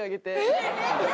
えっ！？